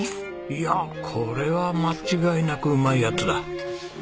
いやこれは間違いなくうまいやつだ。